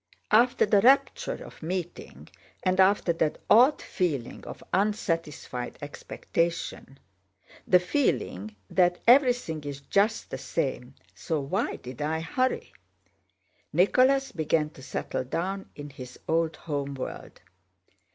After the rapture of meeting, and after that odd feeling of unsatisfied expectation—the feeling that "everything is just the same, so why did I hurry?"—Nicholas began to settle down in his old home world.